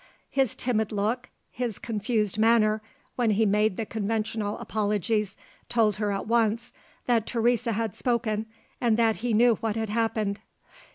His timid look, his confused manner, when he made the conventional apologies, told her at once that Teresa had spoken, and that he knew what had happened.